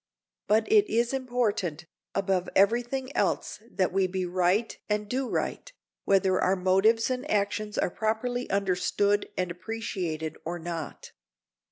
But it is important, above every thing, else that we be right and do right, whether our motives and actions are properly understood and appreciated or not.